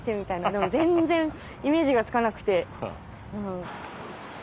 でも全然イメージがつかなくて。